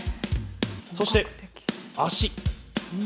そして、足。